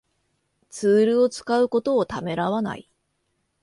ツールを使うことをためらわない